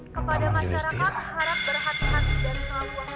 kepada masyarakat harap berhati hati dan selalu waspa